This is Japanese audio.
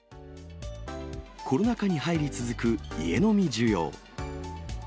コロナ禍に入り続く、家飲み需要。